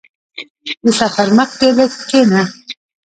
• د سفر مخکې لږ کښېنه.